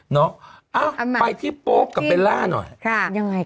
น้องไปที่โป๊กกับเบลล่าหน่อย